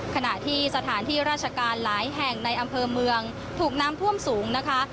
ขณะที่สถานที่ราชการหลายแห่งในอำเภอเมืองถูกน้ำท่วมสูงนะคะ